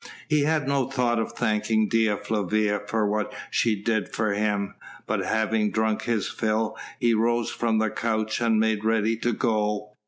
He had no thought of thanking Dea Flavia for what she did for him, but having drunk his fill, he rose from the couch and made ready to go.